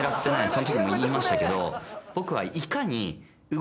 そのときも言いましたけど僕はいかに。